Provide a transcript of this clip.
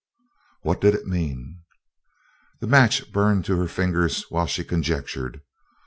What did it mean? The match burned to her fingers while she conjectured.